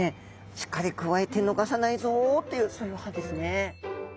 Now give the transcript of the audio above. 「しっかりくわえて逃さないぞ」というそういう歯ですね。